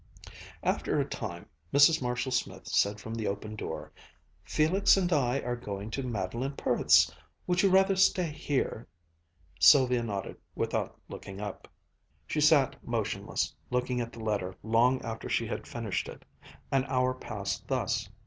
After a time, Mrs. Marshall Smith said from the open door: "Felix and I are going to Madeleine Perth's. Would you rather stay here?" Sylvia nodded without looking up. She sat motionless, looking at the letter long after she had finished it. An hour passed thus.